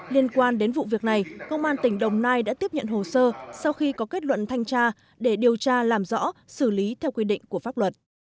liên quan đến vụ việc này công an tỉnh đồng nai đã tiếp nhận hồ sơ sau khi có kết luận thanh tra để điều tra làm rõ xử lý theo quy định của pháp luật